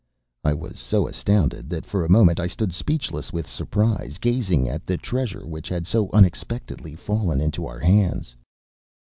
” I was so astounded that for a moment I stood speechless with surprise, gazing at the treasure which had so unexpectedly fallen into our hands.